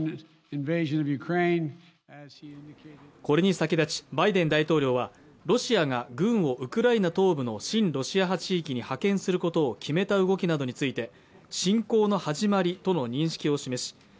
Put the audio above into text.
これに先立ちバイデン大統領はロシアが軍をウクライナ東部の親ロシア派地域に派遣することを決めた動きなどについて侵攻の始まりとの認識を示し